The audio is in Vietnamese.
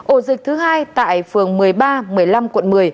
ổ dịch thứ hai tại phường một mươi ba một mươi năm quận một mươi